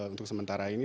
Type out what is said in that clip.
untuk sementara ini